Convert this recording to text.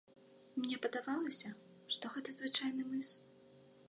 Мне падавалася, што гэта звычайны мыс.